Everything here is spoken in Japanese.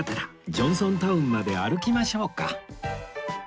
ジョンソンタウンまで歩きましょうか